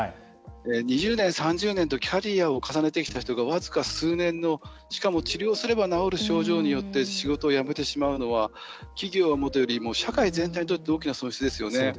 ２０年、３０年とキャリアを重ねてきた人が僅か数年の、しかも治療すれば治る症状によって仕事を辞めてしまうのは企業はもとより社会全体にとって大きな損失ですよね。